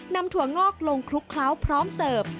ถั่วงอกลงคลุกเคล้าพร้อมเสิร์ฟ